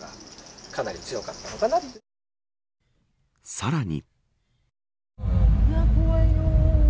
さらに。